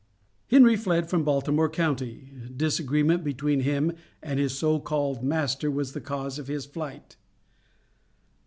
Henry fled from Baltimore county; disagreement between him and his so called master was the cause of his flight.